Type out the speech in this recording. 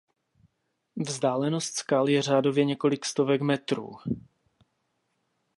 Vzdálenost skal je řádově několik stovek metrů.